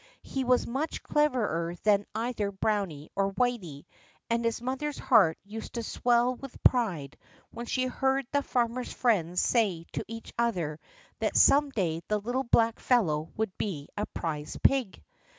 He was much cleverer than either Browny or Whity, and his mother's heart used to swell with pride when she heard the farmer's friends say to each other that some day the little black fellow would be a prize pig.